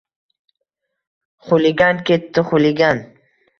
— Xuligan ketdi, xuligan!